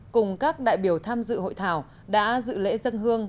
cùng các đại biểu tham dự hội thảo đã dự lễ dân hương